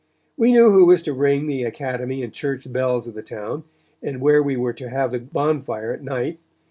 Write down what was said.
We knew who was to ring the academy and church bells of the town, and where we were to have the bonfire at night.